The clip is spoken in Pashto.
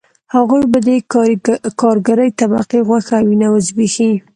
هغوی به د کارګرې طبقې غوښه او وینه وزبېښي